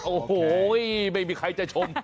โอ้โหไม่มีใครจะชม